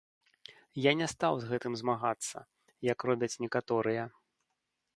Я не стаў з гэтым змагацца, як робяць некаторыя.